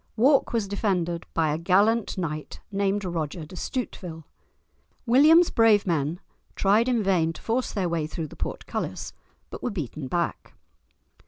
Wark was defended by a gallant knight named Roger de Stuteville. William's brave men tried in vain to force their way through the portcullis, but were beaten back.